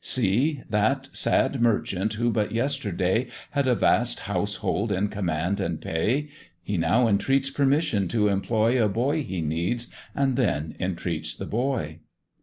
See! that sad Merchant, who but yesterday Had a vast household in command and pay; He now entreats permission to employ A boy he needs, and then entreats the boy.